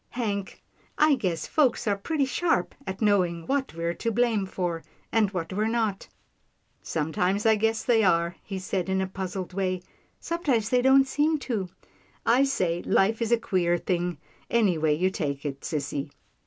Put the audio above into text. Hank, I guess folks are pretty sharp at knowing what we're to blame for, and what we're not." " Sometimes I guess they are," he said in a puzzled way, " sometimes they don't seem to. I say life is a queer thing, anyway you take it, sissy."